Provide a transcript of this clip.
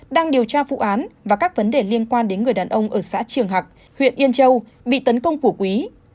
đang điều tra vụ án và các vấn đề liên quan đến người đàn ông ở xã trường hạc huyện yên châu bị tấn công của quý